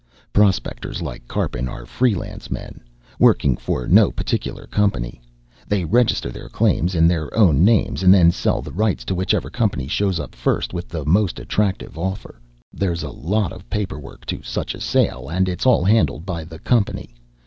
Prospectors like Karpin are free lance men, working for no particular company. They register their claims in their own names, and then sell the rights to whichever company shows up first with the most attractive offer. There's a lot of paperwork to such a sale, and it's all handled by the company.